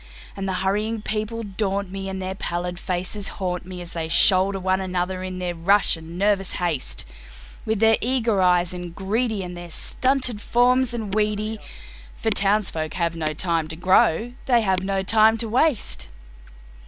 And the hurrying people daunt me, and their pallid faces haunt me As they shoulder one another in their rush and nervous haste, With their eager eyes and greedy, and their stunted forms and weedy, For townsfolk have no time to grow, they have no time to waste.